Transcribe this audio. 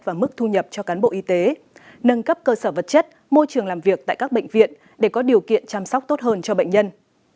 và mức thu nhập cho cán bộ y tế nâng cấp cơ sở vật chất môi trường làm việc tại các bệnh viện để có điều kiện chăm sóc tốt hơn cho bệnh nhân